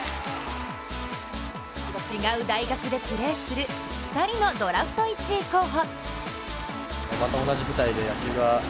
違う大学でプレーする２人のドラフト１位候補。